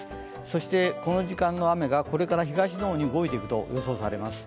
そしてこの時間の雨がこれから東の方に動いていくと予想されます。